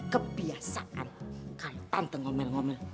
kebiasaan kalau tante ngomel ngomel